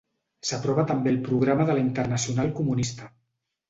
S'aprova també el Programa de la Internacional Comunista.